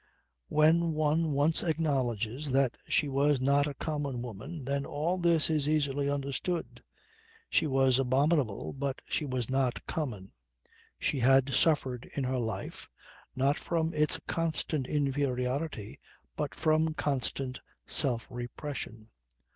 When one once acknowledges that she was not a common woman, then all this is easily understood. She was abominable but she was not common. She had suffered in her life not from its constant inferiority but from constant self repression.